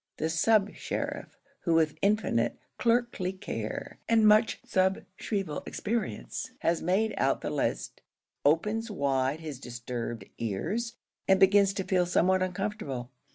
The sub sheriff, who with infinite clerkly care, and much sub shrieval experience, has made out the list, opens wide his disturbed ears, and begins to feel somewhat uncomfortable.